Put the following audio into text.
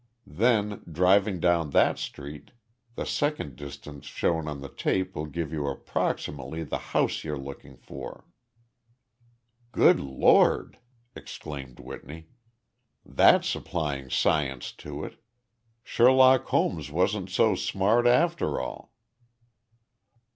Then, driving down that street, the second distance shown on the tape will give you approximately the house you're looking for!" "Good Lord," exclaimed Whitney, "that's applying science to it! Sherlock Holmes wasn't so smart, after all!"